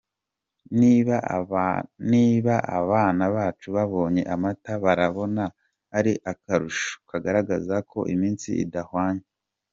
niba abana bacu babonye amata barabona ari akarusho kagaragaza ko iminsi idahwanye.